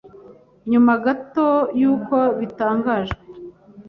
Nyuma gato yuko bitangajwe